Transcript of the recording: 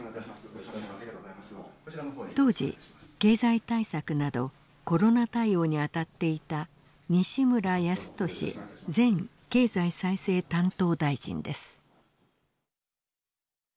当時経済対策などコロナ対応に当たっていた西村康稔前経済再生担当大臣です。